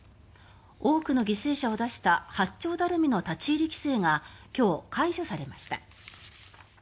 多くの犠牲者を出した八丁ダルミの立ち入り規制が今日、解除されました。